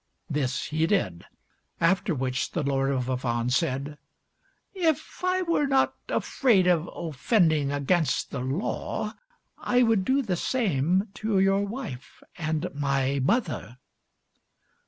This he did, after which the Lord of Avannes said : "If I were not afraid of offending against the law, I would do the same to your wife and my mother."